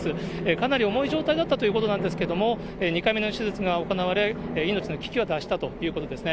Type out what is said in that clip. かなり重い状態だったということなんですけれども、２回目の手術が行われ、命の危機は脱したということですね。